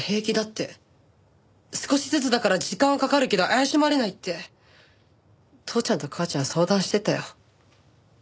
「少しずつだから時間はかかるけど怪しまれない」って父ちゃんと母ちゃん相談してたよ。